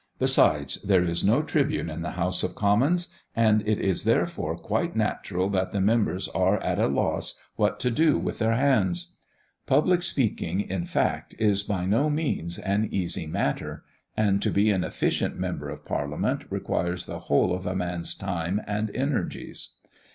Besides, there is no tribune in the House of Commons, and it is, therefore, quite natural that the members are at a loss what to do with their hands. Public speaking, in fact, is by no means an easy matter; and to be an efficient Member of Parliament requires the whole of a man's time and energies.